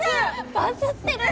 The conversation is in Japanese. バズってる！